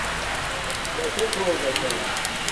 یݳ سَݣ ہݸگݳ چھݳ.